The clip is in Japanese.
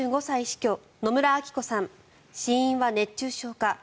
死因は熱中症か。